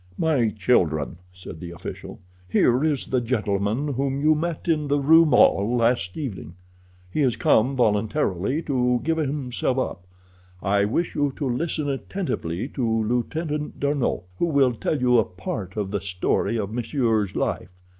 "My children," said the official, "here is the gentleman whom you met in the Rue Maule last evening. He has come voluntarily to give himself up. I wish you to listen attentively to Lieutenant D'Arnot, who will tell you a part of the story of monsieur's life.